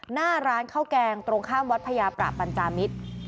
หน้าร้านข้าวแกงตรงข้ามวัดพญาประปัญจามิตร